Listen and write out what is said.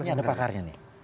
ini ada pakarnya nih